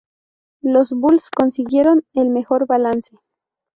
Los Bulls consiguieron el mejor balance.